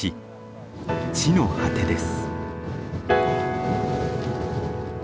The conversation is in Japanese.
地の果てです。